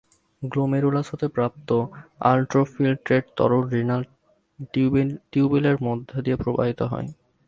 Glomerulus হতে প্রাপ্ত আলট্রফিলট্রেট তরল রেনাল টিউব্যুলের মধ্য দিয়ে প্রবাহিত হয়।